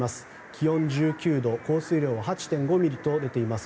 気温１９度、降水量は８．５ミリと出ています。